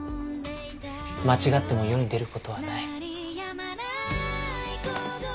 間違っても世に出る事はない。